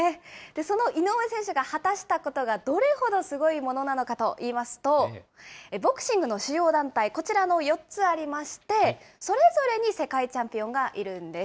その井上選手が果たしたことはどれほどすごいものなのかといいますと、ボクシングの主要団体、こちらの４つありまして、それぞれに世界チャンピオンがいるんです。